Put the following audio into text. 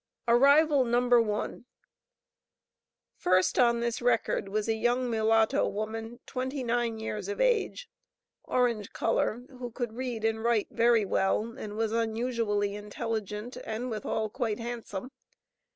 Arrival No. 1. First on this record was a young mulatto woman, twenty nine years of age orange color, who could read and write very well, and was unusually intelligent and withal quite handsome.